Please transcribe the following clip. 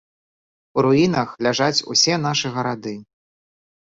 У руінах ляжаць усе нашы гарады.